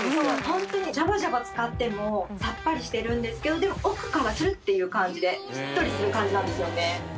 ホントにジャバジャバ使ってもさっぱりしてるんですけどでも奥からツルッていう感じでしっとりする感じなんですよね